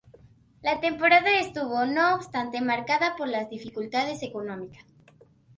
La temporada estuvo no obstante marcada por las dificultades económicas.